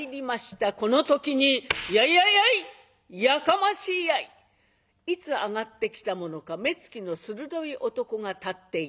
この時に「やいやいやい！やかましいやい！」。いつ上がってきたものか目つきの鋭い男が立っている。